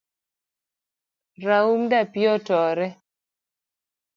Raum dapii otore